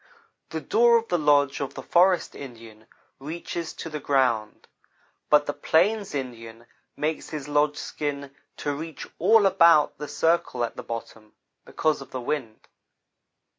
The door of the lodge of the forest Indian reaches to the ground, but the plains Indian makes his lodge skin to reach all about the circle at the bottom, because of the wind.